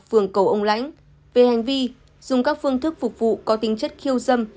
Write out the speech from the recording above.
phường cầu ông lãnh về hành vi dùng các phương thức phục vụ có tính chất khiêu dâm